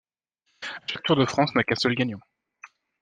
Chaque Tour de France n'a qu'un seul gagnant.